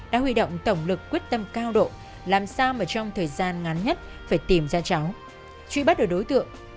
đã huy động tổng lực quyết tâm cao độ làm sao mà trong thời gian ngắn nhất phải tìm ra cháu truy bắt được đối tượng